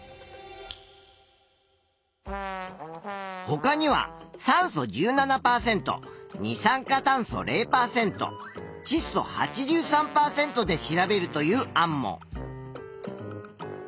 ほかには酸素１７％二酸化炭素０％ちっ素８３％で調べるという案も。